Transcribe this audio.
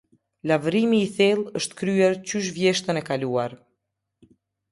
Lavrimi i thellë është kryer qysh vjeshtën e kaluar.